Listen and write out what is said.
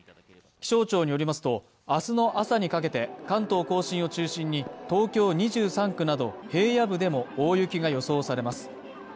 気象庁によりますと明日の朝にかけて、関東甲信を中心に東京２３区など平野部でも大雪が予想されます。